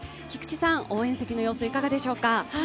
菊池さん、応援席の様子、いかがでしょうか？